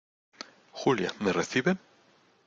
Julia, ¿ me recibe?